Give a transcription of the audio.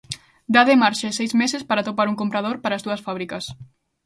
Dá de marxe seis meses para atopar un comprador para as dúas fábricas.